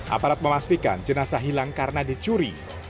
aparat memastikan jenazah hilang karena dicuri